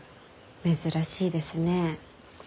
珍しいですね。